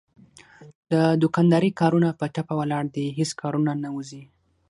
د دوکاندارۍ کارونه په ټپه ولاړ دي هېڅ کارونه نه وځي.